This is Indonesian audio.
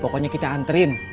pokoknya kita anterin